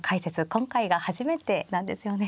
今回が初めてなんですよね。